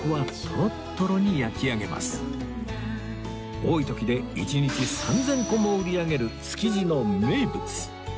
多い時で１日３０００個も売り上げる築地の名物